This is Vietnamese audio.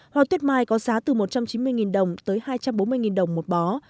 hoa tết mai có giá từ một trăm chín mươi đồng tới hai trăm bốn mươi đồng một bó